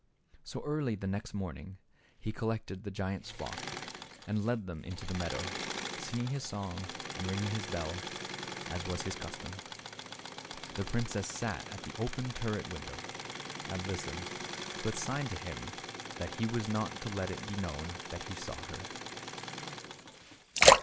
So early the next morning he col lected the giant's flock and led them into the meadow, singing his songs and ringing his bell as was his custom. The princess sat at the open turret window and listened, but signed to him that he was not to let it be known that he saw her.